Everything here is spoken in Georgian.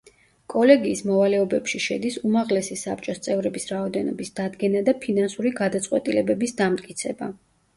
კოლეგიის მოვალეობებში შედის, უმაღლესი საბჭოს წევრების რაოდენობის დადგენა და ფინანსური გადაწყვეტილებების დამტკიცება.